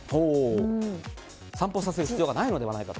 散歩させる必要がないのではないかと。